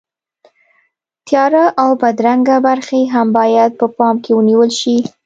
تیاره او بدرنګه برخې هم باید په پام کې ونیول شي.